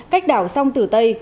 cách đảo song tử tây